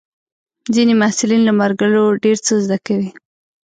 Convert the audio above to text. ځینې محصلین له ملګرو ډېر څه زده کوي.